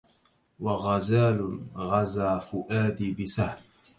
وغزال غزا فؤادي بسهم